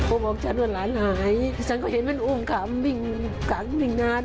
ก็บอกฉันว่าหลานหายฉันก็เห็นมันอุ้มขำวิ่งขังวิ่งนาน